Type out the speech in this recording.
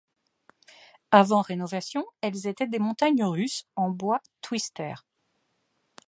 Avant rénovation, elles étaient des montagnes russes en bois twister.